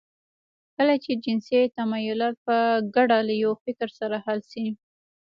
کله چې جنسي تمايلات په ګډه له يوه فکر سره حل شي.